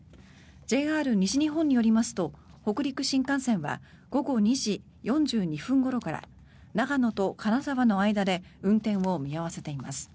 ＪＲ西日本によりますと北陸新幹線は午後２時４２分ごろから長野と金沢の間で運転を見合わせています。